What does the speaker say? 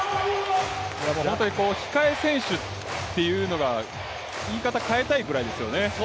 もう本当に控え選手というのが言い方を変えたいぐらいですよね。